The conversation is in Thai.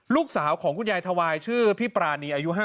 ลูกชายของคุณยายถวายชื่อพี่ปรานีอายุ๕๐